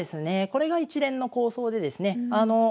これが一連の構想でですね。